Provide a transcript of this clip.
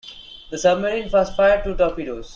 The submarine first fired two torpedoes.